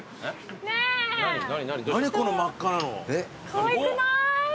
かわいくない？